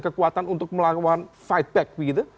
kekuatan untuk melakukan fight back begitu